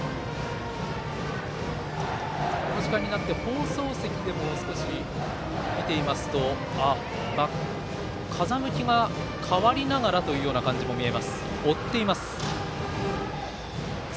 この時間になって放送席でも少し見ていますと風向きが変わりながらという感じも見えます。